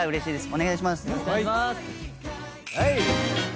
お願いします。